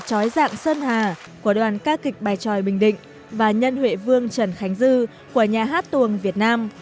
trói dạng sơn hà của đoàn ca kịch bài tròi bình định và nhân huệ vương trần khánh dư của nhà hát tuồng việt nam